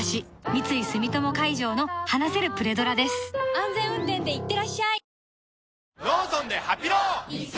安全運転でいってらっしゃい